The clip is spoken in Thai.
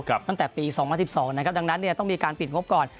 ตั้งแต่ปี๒๐๑๒นะครับดังนั้นต้องมีการปิดงบก่อน